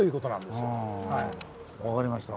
分かりました。